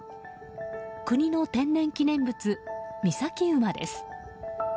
国の天然記念物・御崎馬です。